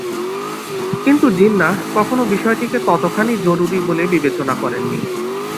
কিন্তু জিন্নাহ কখনও বিষয়টিকে ততখানি জরুরি বলে বিবেচনা করেন নি।